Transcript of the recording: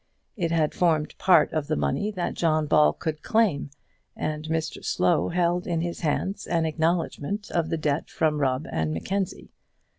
It had formed part of the money that John Ball could claim, and Mr Slow held in his hands an acknowledgement of the debt from Rubb and Mackenzie.